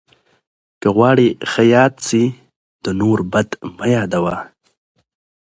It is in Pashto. که غواړې ښه یاد سې، د نور بد مه یاد وه.